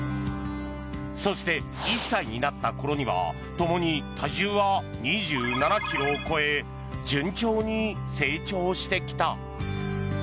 そして１歳になった頃にはともに体重は２７ｋｇを超え順調に成長してきた。